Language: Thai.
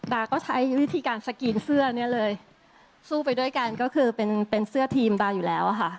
ก็ใช้วิธีการสกรีนเสื้อเนี่ยเลยสู้ไปด้วยกันก็คือเป็นเป็นเสื้อทีมตาอยู่แล้วอะค่ะ